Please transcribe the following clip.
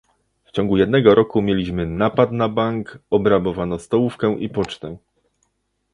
W ciągu jednego roku mieliśmy napad na bank, obrabowano stołówkę i pocztę